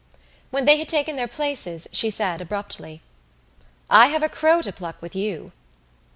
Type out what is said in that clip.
When they had taken their places she said abruptly: "I have a crow to pluck with you."